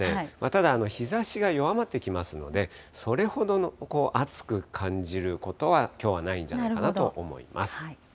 ただ、日ざしが弱まってきますので、それほど暑く感じることはきょうはないんじゃないかなと思います。